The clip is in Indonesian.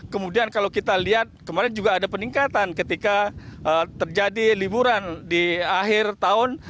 kemudian kalau kita lihat kemarin juga ada peningkatan ketika terjadi liburan di akhir tahun